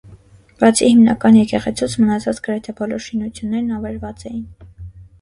Բացի հիմնական եկեղեցուց, մնացած գրեթե բոլոր շինություններն ավերված էին։